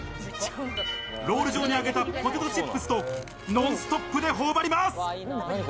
ロール状に揚げたポテトチップスとノンストップで頬張ります。